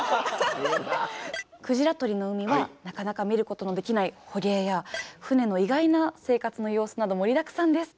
「鯨獲りの海」はなかなか見ることのできない捕鯨や船の意外な生活の様子など盛りだくさんです。